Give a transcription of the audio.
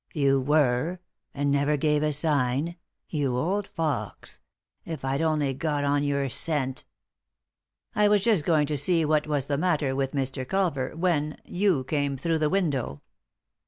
" You were f And never gave a sign ? You old fox ! If I'd only got on your scent I "" I was just going to see what was the matter with Mr. Culver, when — you came through the window.